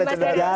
situ ada cendana